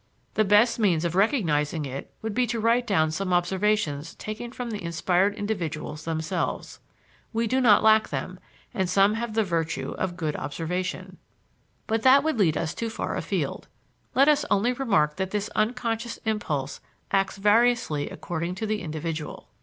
The best means of recognizing it would be to write down some observations taken from the inspired individuals themselves. We do not lack them, and some have the virtue of good observation. But that would lead us too far afield. Let us only remark that this unconscious impulse acts variously according to the individual.